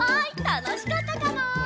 たのしかったかな？